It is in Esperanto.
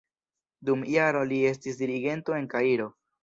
Dum jaro li estis dirigento en Kairo.